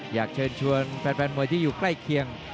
อยากเชิญชวนแฟนมวยที่อยู่ใกล้เคียง